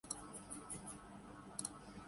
رقبے کے لحاظ سے براعظم افریقہ کا سب بڑا ملک ہے